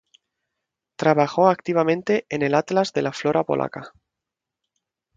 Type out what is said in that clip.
Trabajó activamente en el Atlas de la Flora polaca.